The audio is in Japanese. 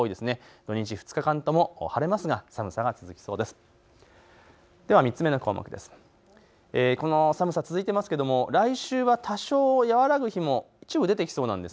土日２日間とも晴れそうですが寒さが続きそうです。